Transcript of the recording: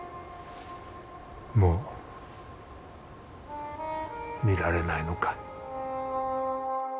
もう見られないのか。